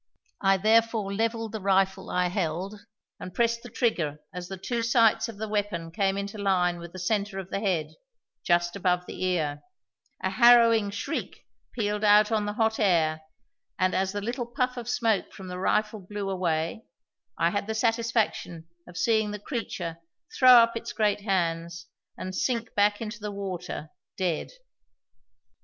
I therefore levelled the rifle I held, and pressed the trigger as the two sights of the weapon came into line with the centre of the head, just above the ear; a harrowing shriek pealed out on the hot air and, as the little puff of smoke from the rifle blew away, I had the satisfaction of seeing the creature throw up its great hands and sink back into the water, dead.